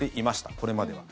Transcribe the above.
これまでは。